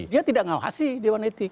dia tidak mengawasi dewan etik